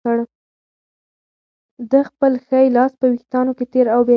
ده خپل ښی لاس په وېښتانو کې تېر او بېر کړ.